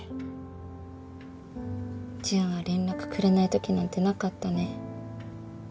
ジュンは連絡くれないときなんてなかったね。